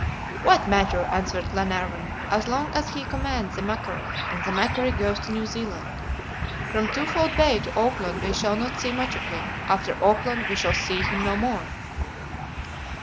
"What matter?" answered Glenarvan, "as long as he commands the MACQUARIE, and the MACQUARIE goes to New Zealand. From Twofold Bay to Auckland we shall not see much of him; after Auckland we shall see him no more."